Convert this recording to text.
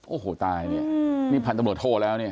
โอ้โหตายนี่พันธุ์ตำรวจโทยแล้ว